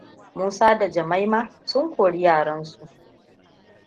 Musa da Jummaiamu sun hori yaransu.